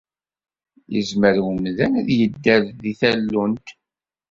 Yezmer umdan ad yedder deg tallunt?